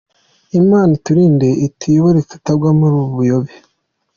Imana iturinde ituyobore tutagwa muri ubu buyobe.